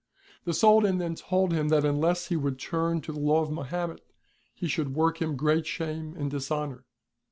The Soldan then told him that unless he would turn to the Law of Mahommet he should work him great shame and dishonour.